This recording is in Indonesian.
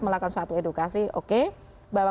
melakukan suatu edukasi oke bahwa